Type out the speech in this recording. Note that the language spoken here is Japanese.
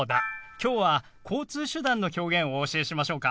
きょうは交通手段の表現をお教えしましょうか？